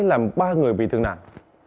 làm ba người bị thương nặng